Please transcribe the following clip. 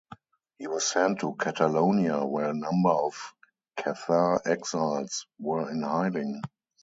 He was sent to Catalonia where a number of Cathar exiles were in hiding.